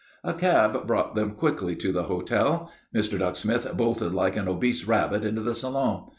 A cab brought them quickly to the hotel. Mr. Ducksmith bolted like an obese rabbit into the salon.